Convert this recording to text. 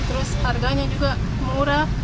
terus harganya juga murah